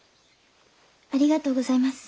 ありがとうございます。